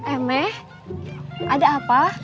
emek ada apa